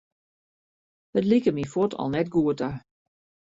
It like my fuort al net goed ta.